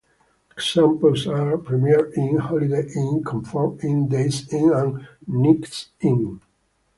Examples are Premier Inn, Holiday Inn, Comfort Inn, Days Inn and Knights Inn.